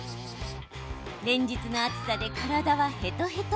連日の暑さで、体はへとへと。